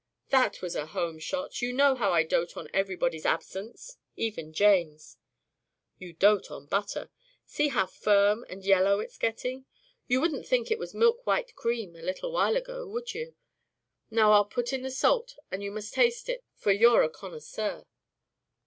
"That was a home shot. You know how I dote on everybody's absence, even Jane's." "You dote on butter. See how firm and yellow it's getting. You wouldn't think it was milk white cream a little while ago, would you? Now I'll put in the salt and you must taste it, for you're a connoisseur."